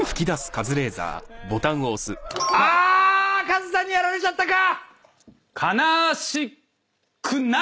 カズさんにやられちゃったか！